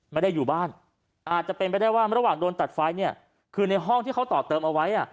ไม่ได้อยู่บ้านอาจจะเป็นไปได้ว่าระหว่างโดนตัดไฟเนี่ยคือในห้องที่เขาต่อเติมเอาไว้อ่ะ